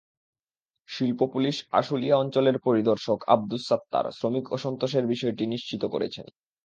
শিল্প পুলিশ আশুলিয়া অঞ্চলের পরিদর্শক আবদুস সাত্তার শ্রমিক অসন্তোষের বিষয়টি নিশ্চিত করেছেন।